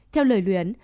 theo lời luyến